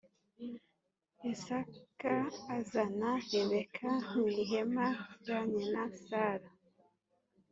isaka azana rebeka mu ihema rya nyina sara